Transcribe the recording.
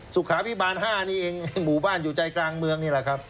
สุขาพิบาล๕นี่เองหมู่บ้านอยู่ใจกลางเมืองนี่แหละครับ